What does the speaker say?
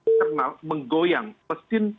internal menggoyang pesin